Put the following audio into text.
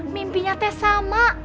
mimpinya teh sama